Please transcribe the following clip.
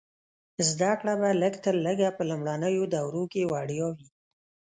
زده کړه به لږ تر لږه په لومړنیو دورو کې وړیا وي.